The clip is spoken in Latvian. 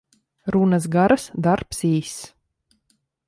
Runas garas, darbs īss.